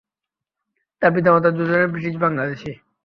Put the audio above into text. তার পিতামাতা দুজনেই ব্রিটিশ বাংলাদেশী।